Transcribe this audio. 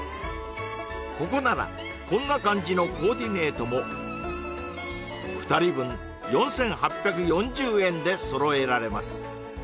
ここならこんな感じのコーディネートも２人分４８４０円で揃えられます